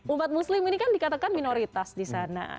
umat muslim ini kan dikatakan minoritas di sana